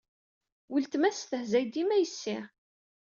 Uletma testehzay dima yessi.